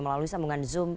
melalui sambungan zoom